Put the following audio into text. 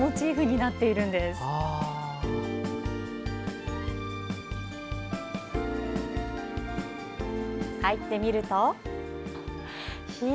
入ってみると。